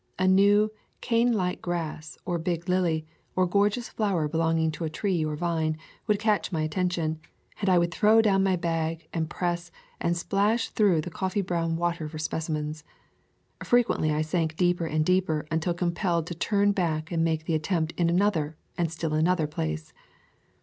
A new, canelike grass, or big lily, or gorgeous flower belonging to tree or vine, would catch my attention, and I would throw down my bag and press and splash through the coffee brown water for specimens. Frequently I sank deeper and deeper until compelled to turn back and make the attempt in another and still another place.